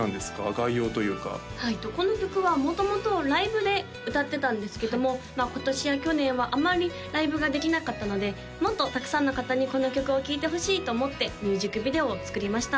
概要というかはいこの曲は元々ライブで歌ってたんですけども今年や去年はあまりライブができなかったのでもっとたくさんの方にこの曲を聴いてほしいと思ってミュージックビデオを作りました